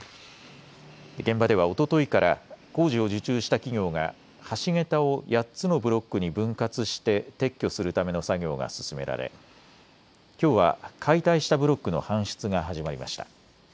現場ではおとといから工事を受注した企業が橋桁を８つのブロックに分割して撤去するための作業が進められきょうは解体したブロックの搬出が始まりました。